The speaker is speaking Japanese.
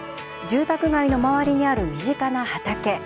住宅街の周りにある身近な畑。